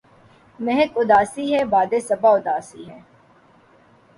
مہک اُداسی ہے، باد ِ صبا اُداسی ہے